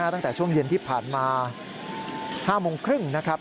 ตั้งแต่ช่วงเย็นที่ผ่านมา๕โมงครึ่งนะครับ